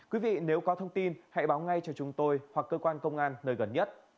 quý vị nếu có thông tin hãy báo ngay cho chúng tôi hoặc cơ quan công an nơi gần nhất